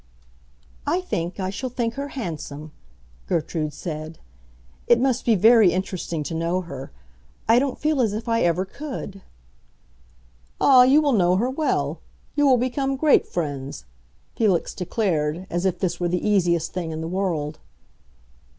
"I think I shall think her handsome," Gertrude said. "It must be very interesting to know her. I don't feel as if I ever could." "Ah, you will know her well; you will become great friends," Felix declared, as if this were the easiest thing in the world.